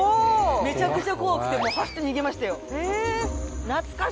めちゃくちゃ怖くて走って逃げましたよ。